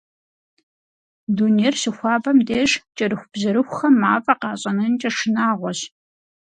Дунейр щыхуабэм деж кӏэрыхубжьэрыхухэм мафӏэ къащӏэнэнкӏэ шынагъуэщ.